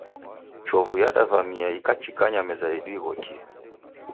Chovu yadivamia na ikachikanya meza yedu ighokie.